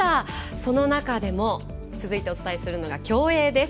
その中でも続いてお伝えするのが競泳です。